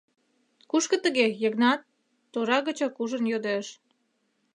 — Кушко тыге, Йыгнат? — тора гычак ужын йодеш.